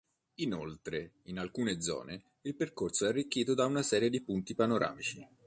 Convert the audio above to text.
Inoltre, in alcune zone, il percorso è arricchito da una serie di punti panoramici.